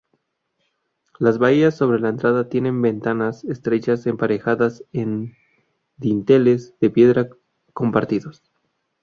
Las bahías sobre la entrada tienen ventanas estrechas emparejadas en dinteles de piedra compartidos.